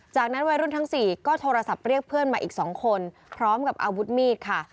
จากนั้นวัยรุ่นทั้ง๔ก็โทรศัพท์เรียกเพื่อนมาอีก๒คนพร้อมกับอาวุธมีดค่ะ